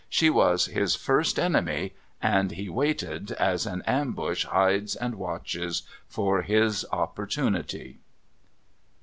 She was his first enemy, and he waited, as an ambush hides and watches, for his opportunity...